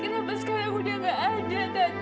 kenapa sekarang udah gak ada kan